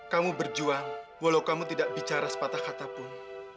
kamu berjuang walau kamu tidak bicara sepatah kata pun